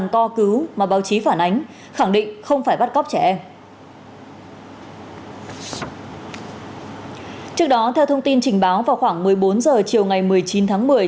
trước đó theo thông tin trình báo vào khoảng một mươi bốn h chiều ngày một mươi chín tháng một mươi